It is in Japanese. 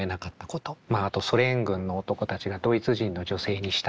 まああとソ連軍の男たちがドイツ人の女性にしたこと。